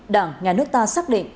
đảng nhà nước ta xác định